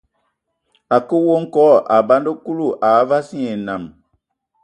A kǝə we nkog, a banda Kulu, a vas nye enam.